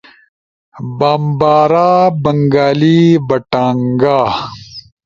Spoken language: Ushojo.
بامبارا، بنگالی، بٹانگا